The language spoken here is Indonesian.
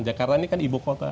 jakarta ini kan ibu kota